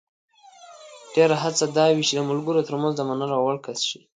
ډېره هڅه یې دا وي چې د ملګرو ترمنځ د منلو وړ کس شي.